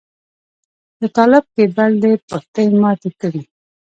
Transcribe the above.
د طالب کيبل دې پښتۍ ماتې کړې.